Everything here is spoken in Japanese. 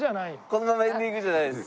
このままエンディングじゃないです。